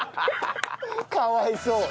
かわいそう。